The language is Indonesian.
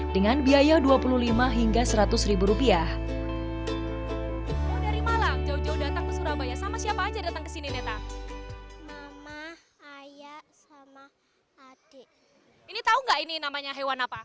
dengan biaya dua puluh lima hingga seratus ribu rupiah